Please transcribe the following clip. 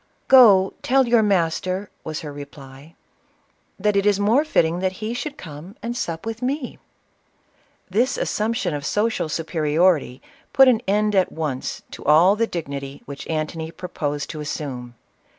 "Go, tell your master," was her reply, "that it is more fitting he should come and sup with me !" This assumption of social superiority put an end at once to all the dignity which Antony purposed to as sume.